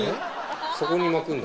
そこに巻くんだ？